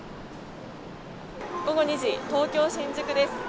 午後２時、東京・新宿です。